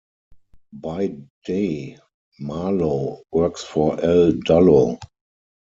By day Marlo works for L. Dullo.